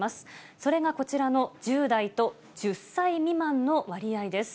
それがこちらの１０代と１０歳未満の割合です。